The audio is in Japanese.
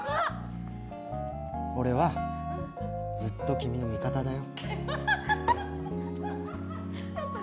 俺はずっと君の味方だよ。